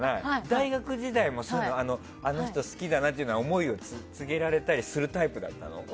大学時代もあの人好きだなって思いを告げられたりするタイプだったの？